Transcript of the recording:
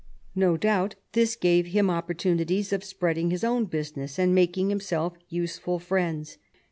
No doubt this gave him opportunities of spreading his own busi ness, and making himself useful friends.